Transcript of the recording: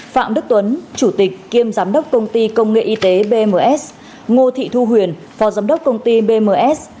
phạm đức tuấn chủ tịch kiêm giám đốc công ty công nghệ y tế bms ngô thị thu huyền phó giám đốc công ty bms